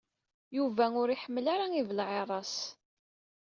Yuba ur iḥemmel ara ibelɛiraṣ.